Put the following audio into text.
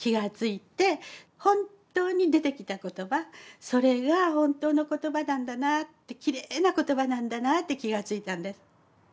本当に出てきた言葉それが本当の言葉なんだなってきれいな言葉なんだなって気が付いたんです。